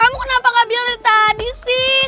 kamu kenapa gak bilang dari tadi sih